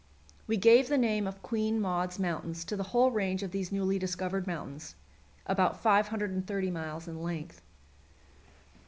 We gave the name of "Queen Maud's Mountains" to the whole range of these newly discovered mountains, about 530 miles in length.